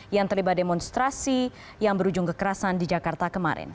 yang terlibat demonstrasi yang berujung kekerasan di jakarta kemarin